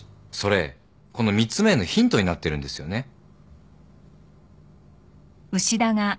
それこの３つ目のヒントになってるんですよね？